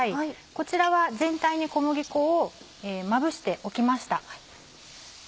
こちらは全体に小麦粉をまぶしておきました。